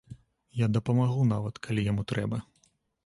Я дапамагу нават, калі яму трэба.